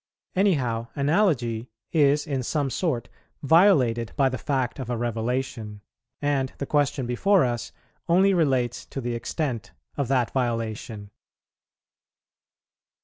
Any how, Analogy is in some sort violated by the fact of a revelation, and the question before us only relates to the extent of that violation.